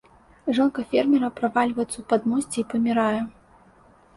Жонка фермера правальваецца ў падмосце і памірае.